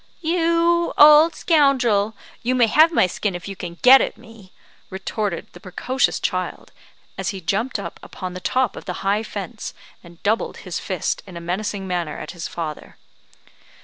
"You old scoundrel, you may have my skin if you can get at me," retorted the precocious child, as he jumped up upon the top of the high fence, and doubled his fist in a menacing manner at his father.